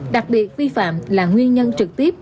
đặc biệt vi phạm là nguyên nhân trực tiếp